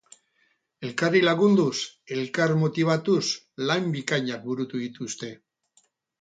Elkarri lagunduz, elkar motibatuz, lan bikainak burutu dituzte.